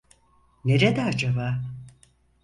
Nerede acaba?